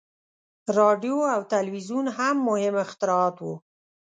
• راډیو او تلویزیون هم مهم اختراعات وو.